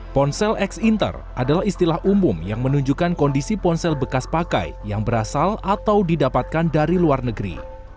ponsel x inter adalah istilah umum yang menunjukkan kondisi ponsel bekas pakai yang berasal atau didapatkan dari luar negeri